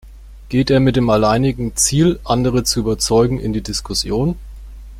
Geht er mit dem alleinigen Ziel, andere zu überzeugen, in die Diskussion?